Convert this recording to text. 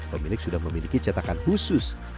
pemilik sudah memiliki cetakan khusus